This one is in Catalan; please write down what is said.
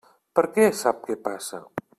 Perquè sap què passa?